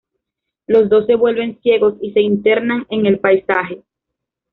Los dos se vuelven ciegos y se internan en el paisaje.